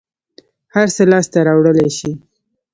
هر څه لاس ته راوړلى شې.